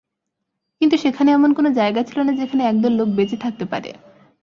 কিন্তু সেখানে এমন কোন জায়গা ছিল না যেখানে একদল লোক বেঁচে থাকতে পারে।